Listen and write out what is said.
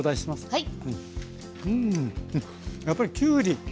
はい。